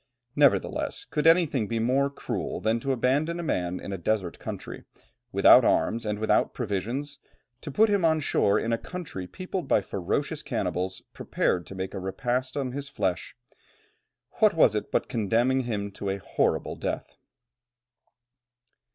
Nevertheless, could anything be more cruel than to abandon a man in a desert country, without arms and without provisions, to put him on shore in a country peopled by ferocious cannibals, prepared to make a repast on his flesh; what was it but condemning him to a horrible death?